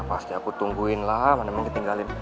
ya pasti aku tungguin lah mana mau ketinggalin